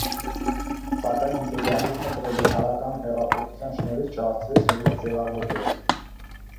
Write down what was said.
Սակայն իմպերիալիզմը պրոլետարական հեղափոխության շնորհիվ չհասցրեց լրիվ ձևավորվել։